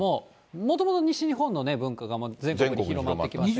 もともと西日本の文化が全国に広まってきましたけれども。